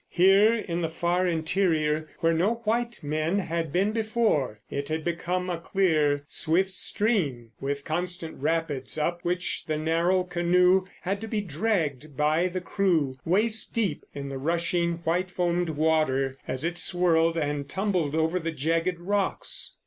Here, in the far interior, where no white men had been before, it had become a clear, swift stream, with constant rapids, up which the narrow canoe had to be dragged by the crew waist deep in the rushing white foamed water as it swirled and tumbled over the jagged rocks.